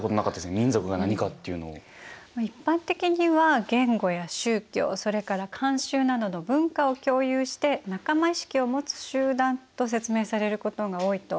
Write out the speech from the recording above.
まあ一般的には言語や宗教それから慣習などの文化を共有して仲間意識を持つ集団と説明されることが多いと思うんですが。